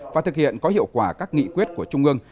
và thực hiện có hiệu quả các nghị quyết của trung ương